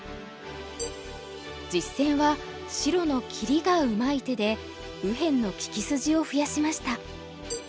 実戦は白の切りがうまい手で右辺の利き筋を増やしました。